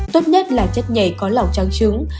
tốt nhất là chất nhảy có lỏng trang trứng